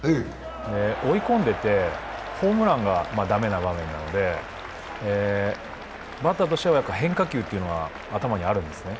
追い込んでてホームランが駄目な場面なので、バッターとしては変化球というのが頭にあるんですね。